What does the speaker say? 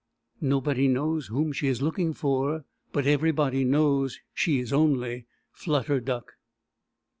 Nobody knows whom she is looking for, but everybody knows she is only "Flutter Duck."